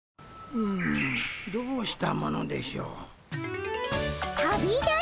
うんどうしたものでしょう。